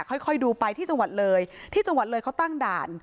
ค่อยดูไปที่จังหวัดเลยที่จังหวัดเลยเขาตั้งด่าน